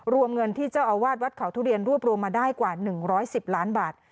รวมเงินที่เจ้าอาวาสวัดเขาทุเรียนรวบรวมมาได้กว่า๑๑๐ล้านบาท